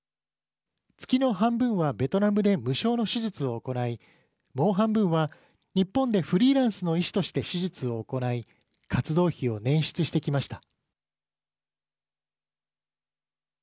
月の半分はベトナムで無償の手術を行いもう半分は日本でフリーランスの医師として手術を行い活動費を捻出してきました。